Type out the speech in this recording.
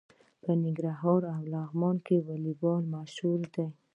په ننګرهار او لغمان کې والیبال مشهور دی.